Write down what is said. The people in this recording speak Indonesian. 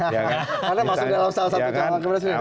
karena masuk dalam salah satu calon kemarin